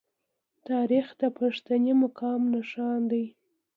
تاریخ د پښتني قام نښان دی.